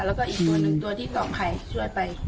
แล้วก็อีกตัวหนึ่งตัวที่เกาะไข่ช่วยไป